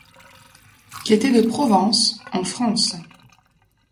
Il était de Provence en France.